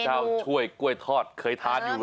พระเจ้าช่วยกล้วยทอดเคยทานอยู่แล้ว